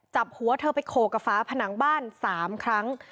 จับหัวเธอไปโขกกับฝาผนังบ้าน๓ครั้ง